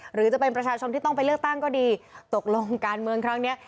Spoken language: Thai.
หรือจะเป็นประชาชนที่ต้องไปเลือกตั้งก็ดีตกลงการเมืองครั้งนี้